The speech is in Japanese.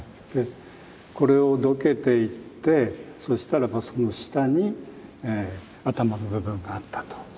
これをどけていってそしたらばその下に頭の部分があったと。